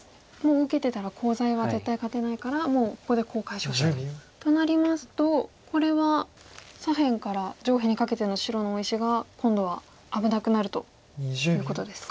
受けてたらコウ材は絶対勝てないからもうここでコウを解消すると。となりますとこれは左辺から上辺にかけての白の大石が今度は危なくなるということですか。